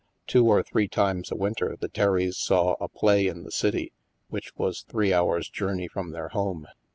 Two or three times a winter the Terrys saw a play in the city, which was three hours' journey from their home.